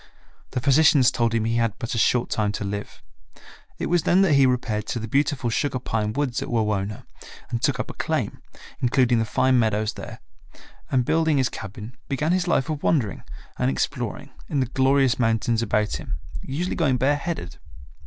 The physicians told him he had but a short time to live. It was then that he repaired to the beautiful sugar pine woods at Wawona and took up a claim, including the fine meadows there, and building his cabin, began his life of wandering and exploring in the glorious mountains about him, usually going bare headed.